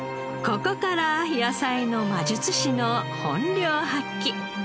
ここから野菜の魔術師の本領発揮。